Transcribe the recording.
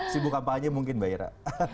sibuk apaan aja mungkin mbak ira